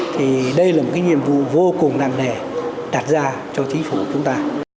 thì đây là một nhiệm vụ vô cùng nặng nề đạt ra cho chính phủ chúng ta